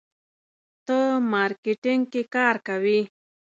ته مارکیټینګ کې کار کوې.